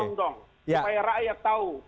supaya rakyat tahu